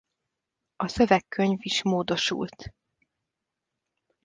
A szövegkönyv is módosult.